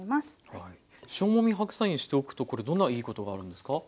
塩もみ白菜にしておくとこれどんないいことがあるんですか？